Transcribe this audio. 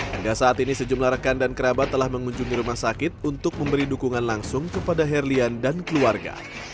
hingga saat ini sejumlah rekan dan kerabat telah mengunjungi rumah sakit untuk memberi dukungan langsung kepada herlian dan keluarga